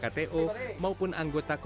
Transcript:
sembari mengunjungi greenhouse setiap anggota kto